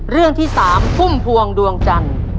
เพื่อชิงทุนต่อชีวิตสูงสุด๑ล้านบาท